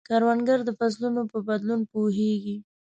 کروندګر د فصلونو په بدلون پوهیږي